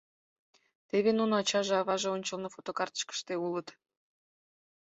Теве нуно ачаже-аваже ончылно фотокартычкыште улыт.